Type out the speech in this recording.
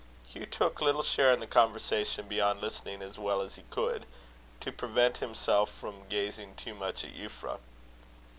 Hugh took little share in the conversation beyond listening as well as he could, to prevent himself from gazing too much at Euphra.